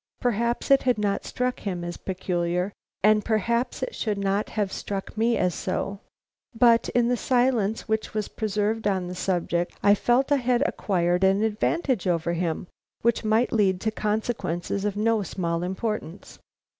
Perhaps it had not struck him as peculiar and perhaps it should not have struck me so, but in the silence which was preserved on the subject I felt I had acquired an advantage over him, which might lead to consequences of no small importance.